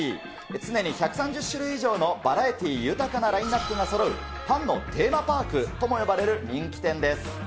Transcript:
常に１３０種類以上のバラエティ豊かなラインナップがそろう、パンのテーマパークとも呼ばれる人気店です。